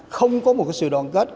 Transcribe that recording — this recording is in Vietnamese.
không có một sự đoàn kết